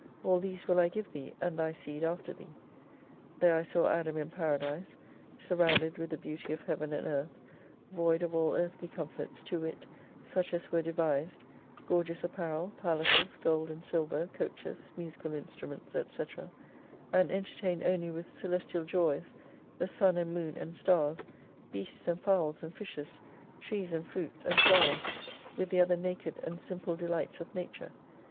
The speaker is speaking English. All these will I give thee, and thy seed after thee. There I saw Adam in Paradise, surrounded with the beauty of Heaven and Earth, void of all earthly comforts, to wit, such as were devised, gorgeous apparel, palaces, gold and silver, coaches, musical instruments, &c ; and entertained only with celestial joys, the sun and moon and stars, beasts and fowls and fishes, trees and fruits, and flowers, with the other naked and simple delights of nature.